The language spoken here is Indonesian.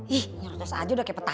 ih ngerocos aja udah kayak petasan dah